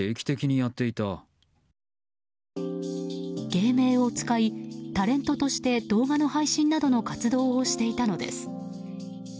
芸名を使い、タレントとして動画の配信などの活動をしていたのです。